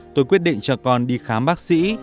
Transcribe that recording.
tôi quyết định cho con đi khám bác sĩ